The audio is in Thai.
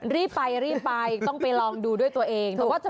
รีบไปรีบไปต้องไปลองดูด้วยตัวเอง